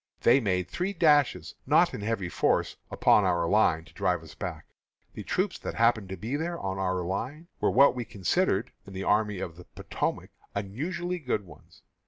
They made three dashes, not in heavy force, upon our line to drive us back. The troops that happened to be there on our line were what we considered, in the Army of the Potomac, unusually good ones.